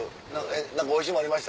何かおいしいもんありました？」。